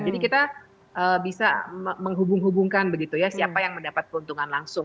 jadi kita bisa menghubung hubungkan begitu ya siapa yang mendapat keuntungan langsung